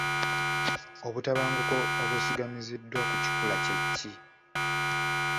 Obutabanguko obwesigamiziddwa ku kikula kye ki?